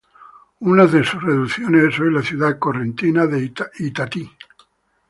Una de sus reducciones es hoy la ciudad correntina de Itatí.